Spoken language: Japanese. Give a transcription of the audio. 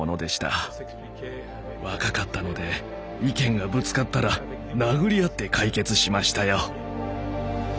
若かったので意見がぶつかったら殴り合って解決しましたよ。